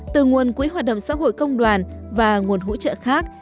từ nguồn quỹ hoạt động xã hội công đoàn và nguồn hỗ trợ khác